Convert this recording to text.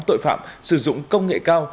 tội phạm sử dụng công nghệ cao